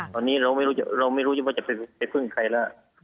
ตอนนี้เราไม่รู้ว่าจะไปพึ่งใครแล้ว